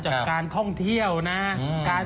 จากการท่องเที่ยวนะ